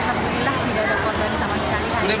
cuman alhamdulillah tidak ada korban sama sekali hari ini